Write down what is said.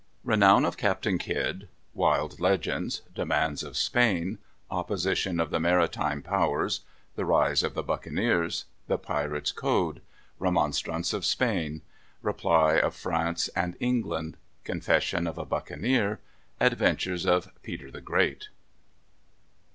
_ Renown of Captain Kidd. Wild Legends. Demands of Spain. Opposition of the Maritime Powers. The Rise of the Buccaneers. The Pirates' Code. Remonstrance of Spain. Reply of France and England. Confession of a Buccaneer. Adventures of Peter the Great.